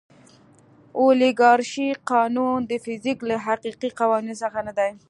اولیګارشي قانون د فزیک له حقیقي قوانینو څخه نه دی.